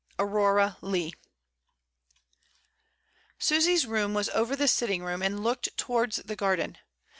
Aurora Leigh. Susy's room was over the sitting room, and looked towards the garden.